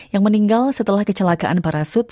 yang meninggal setelah kecelakaan parasut